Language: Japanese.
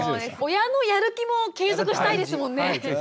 親のやる気も継続したいですもんね。